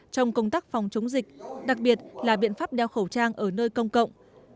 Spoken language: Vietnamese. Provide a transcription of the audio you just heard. trong công tác phòng chống dịch đặc biệt là biện pháp đeo khẩu trang ở nơi công cộng